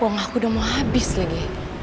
uang aku udah mau habis lagi